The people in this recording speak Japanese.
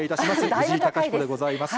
藤井貴彦でございます。